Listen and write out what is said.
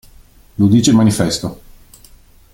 Lo dice il manifesto.